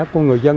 của người dân